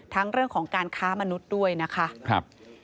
เรื่องของการค้ามนุษย์ด้วยนะคะ